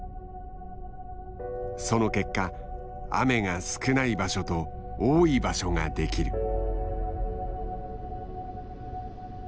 その結果雨が少ない場所と多い場所ができる。